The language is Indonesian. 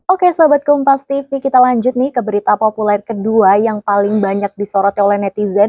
oke sahabatkupas tiffy kita lanjut nih ke berita populer kedua yang paling banyak disorot oleh netizen